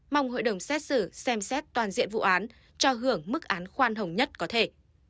mong hội đồng xét xử xem xét toàn diện vụ án cho hưởng mức án khoan hồng nhất có thể